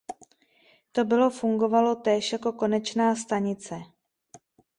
To bylo fungovalo též jako konečná stanice.